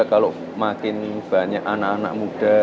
kalau makin banyak anak anak muda